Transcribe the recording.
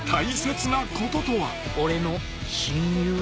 俺の親友。